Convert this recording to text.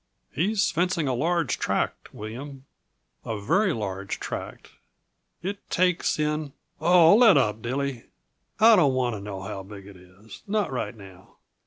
"He's fencing a large tract, William a very large tract. It takes in " "Oh, let up, Dilly! I don't want to know how big it is not right now.